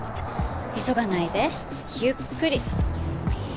急がないでゆっくり。